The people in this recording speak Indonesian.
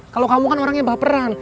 kalau kamu kan orang yang baperan